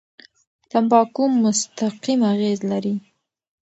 تمباکو مستقیم اغېز لري.